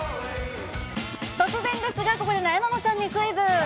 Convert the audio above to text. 突然ですが、ここでなえなのちゃんにクイズ。